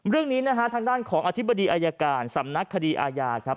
เรื่องนี้นะฮะทางด้านของอธิบดีอายการสำนักคดีอาญาครับ